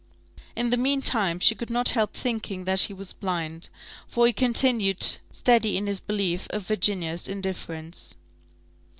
In the mean time she could not help thinking that he was blind, for he continued steady in his belief of Virginia's indifference.